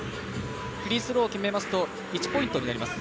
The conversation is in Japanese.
フリースローを決めますと１ポイントになります。